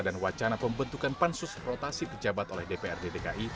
dan wacana pembentukan pansus rotasi terjabat oleh dpr dki